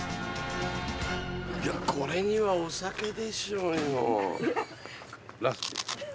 これにはお酒でしょうよ！